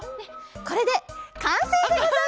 これでかんせいでございます！